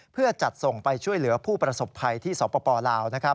เพื่อจัดส่งไปช่วยเหลือผู้ประสบภัยที่สปลาว